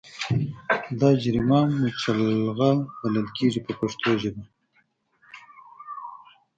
دا جریمه مچلغه بلل کېږي په پښتو ژبه.